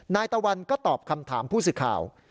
นายตะวันก็ตอบคำถามผู้สิทธิ์ข่าว